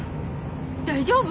大丈夫？